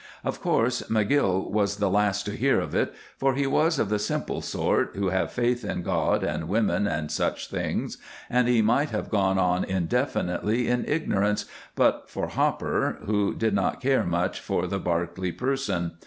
Of course McGill was the last to hear of it, for he was of the simple sort who have faith in God and women and such things, and he might have gone on indefinitely in ignorance but for Hopper, who did not care much for the Barclay person.